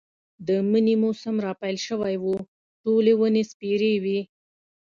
د مني موسم را پيل شوی و، ټولې ونې سپېرې وې.